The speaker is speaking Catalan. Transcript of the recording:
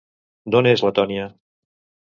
D'on és la Tònia?